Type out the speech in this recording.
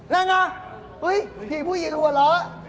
นั่นหรือผีผู้หญิงหวัดหรือ